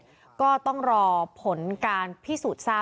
และก็คือว่าถึงแม้วันนี้จะพบรอยเท้าเสียแป้งจริงไหม